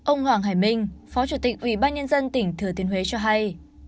ông hoàng hải minh phó chủ tịch ủy ban nhân dân tỉnh thừa thiên huế cho hay